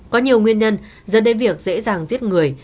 có nhiều nguyên nhân dẫn đến việc dễ dàng giết người